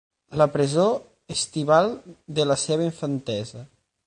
La presó estival de la seva infantesa.